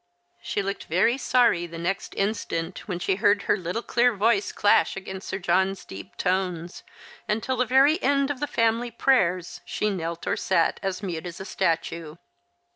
" She looked very sorry the next instant, when she heard her little clear voice clash against Sir John's deep tones, and till the very end of the family prayers she knelt or sat as mute as a statue.